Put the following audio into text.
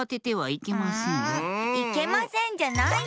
いけませんじゃないよ！